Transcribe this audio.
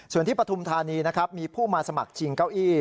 ส่วนที่ปฐุมธานีนะครับมีผู้มาสมัครชิงเก้าอี้